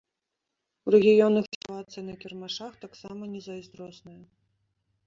У рэгіёнах сітуацыя на кірмашах таксама незайздросная.